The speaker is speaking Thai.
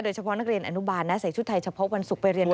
เฉพาะนักเรียนอนุบาลนะใส่ชุดไทยเฉพาะวันศุกร์ไปเรียน